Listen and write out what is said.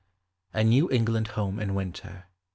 A NEW ENGLAND HOME IN WINTER.